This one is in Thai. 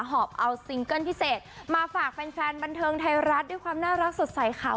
หอบเอาซิงเกิ้ลพิเศษมาฝากแฟนบันเทิงไทยรัฐด้วยความน่ารักสดใสขาว